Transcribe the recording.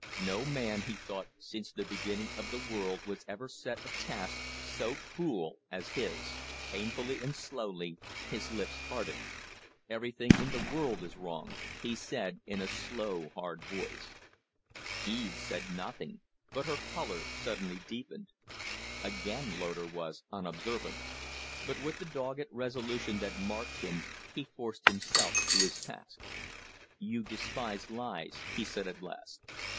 No man, he thought, since the beginning of the world was ever set a task so cruel as his. Painfully and slowly his lips parted. "Everything in the world is wrong," he said, in a slow, hard voice. Eve said nothing but her color suddenly deepened. Again Loder was unobservant. But with the dogged resolution that marked him he forced himself to his task. "You despise lies," he said, at last.